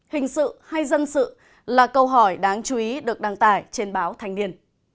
hình sự hay dân sự là câu hỏi đáng chú ý được đăng tải trên báo thanh niên